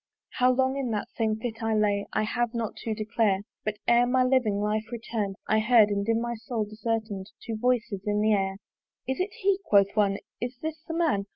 How long in that same fit I lay, I have not to declare; But ere my living life return'd, I heard and in my soul discern'd Two voices in the air, "Is it he?" quoth one, "Is this the man?